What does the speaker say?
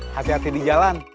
hati hati di jalan